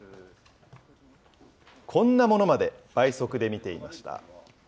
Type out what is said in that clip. こんなものまで倍速で見ていました。